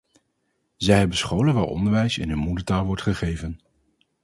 Zij hebben scholen waar onderwijs in hun moedertaal wordt gegeven.